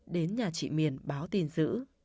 đến nhà chị miền báo tin dữ